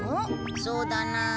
そうだなあ。